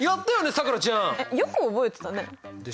さくらちゃん！よく覚えてたね。でしょ？